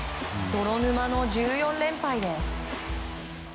泥沼の１４連敗です。